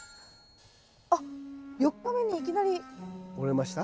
あっ４日目にいきなり。折れました？